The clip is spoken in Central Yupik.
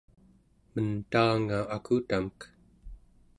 mentaanga akutamek